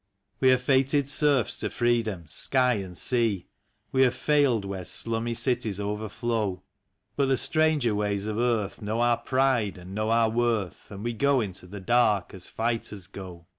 We are fated serfs to freedom — sky and sea ; We have failed where slummy cities overflow; But the stranger ways of earth know our pride and know our worth, And we go into the dark as fighters go.